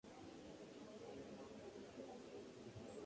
Alishuka kwenye ndege akiwa na begi lake dogo la mgongoni